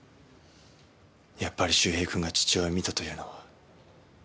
やっぱり周平君が父親を見たというのは。